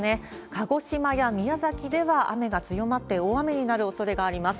鹿児島や宮崎では雨が強まって大雨になるおそれがあります。